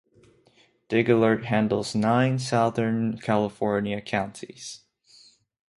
DigAlert handles nine Southern California counties.